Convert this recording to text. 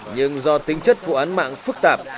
nhưng do tính chất vụ án mạng phức tạp